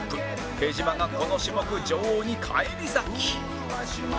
手島がこの種目女王に返り咲き